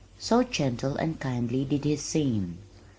So gentle and kindly did he seem.